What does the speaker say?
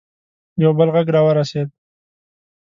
یو بل غږ راورسېد.